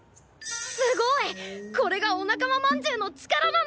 すごい！これがお仲間まんじゅうの力なんだ！